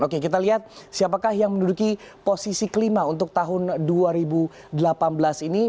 oke kita lihat siapakah yang menduduki posisi kelima untuk tahun dua ribu delapan belas ini